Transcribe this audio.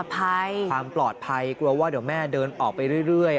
ความปลอดภัยกลัวว่าเดี๋ยวแม่เดินออกไปเรื่อย